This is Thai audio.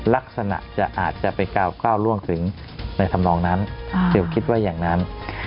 ลักษณะจะอาจจะไปก้าวร่วงถึงในทำนองนั้นเดี๋ยวคิดไว้อย่างนั้น